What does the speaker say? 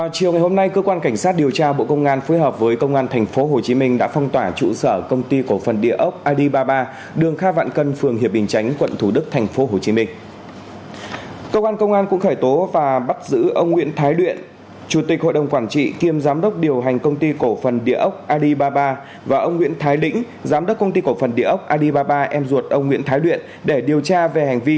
các bạn hãy đăng ký kênh để ủng hộ kênh của chúng mình nhé